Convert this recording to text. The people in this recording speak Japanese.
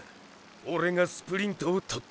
オレがスプリントを獲った。